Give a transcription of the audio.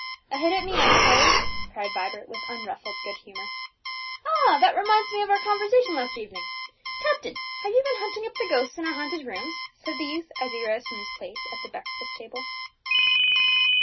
"A hit at me, I suppose," cried Vibert with unruffled good humour. "Ah! that reminds me of our conversation last evening. Captain, have you been hunting up the ghosts in our haunted rooms?" asked the youth as he rose from his place at the breakfast table.